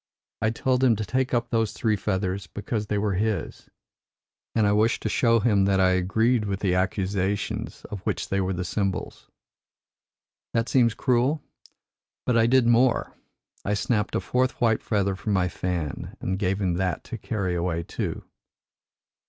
I told him to take up those three feathers because they were his, and I wished to show him that I agreed with the accusations of which they were the symbols. That seems cruel? But I did more. I snapped a fourth white feather from my fan and gave him that to carry away too.